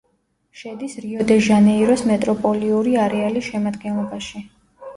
შედის რიო-დე-ჟანეიროს მეტროპოლიური არეალის შემადგენლობაში.